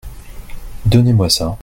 Donnez-moi ça.